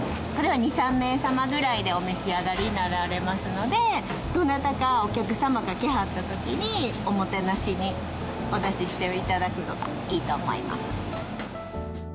これは２３名さまぐらいでお召し上がりになられますのでどなたかお客さまが来はったときにおもてなしにお出ししていただくのがいいと思います